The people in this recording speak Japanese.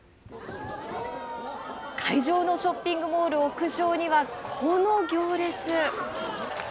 会場のショッピングモール屋上にはこの行列。